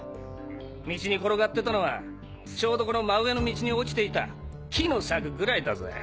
道に転がってたのはちょうどこの真上の道に落ちていた木の柵ぐらいだぜ！